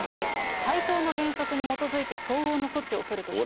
対等の原則に基づいて、相応の措置を取るとしています。